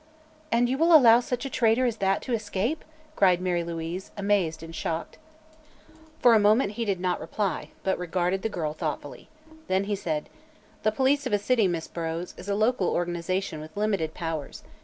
"And you will allow such a traitor as that to escape!" cried Mary Louise, amazed and shocked. For a moment he did not reply, but regarded the girl thoughtfully. Then he said: "The police of a city, Miss Burrows, is a local organization with limited powers.